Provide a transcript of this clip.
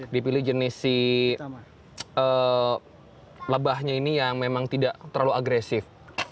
dipilih jenis si lebahnya ini yang memang tidak terlalu agresif